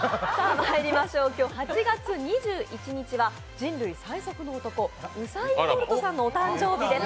今日８月２１日は人類最速の男ウサイン・ボルトさんのお誕生日です。